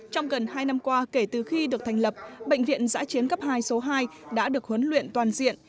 trong gần hai năm qua kể từ khi được thành lập bệnh viện giã chiến cấp hai số hai đã được huấn luyện toàn diện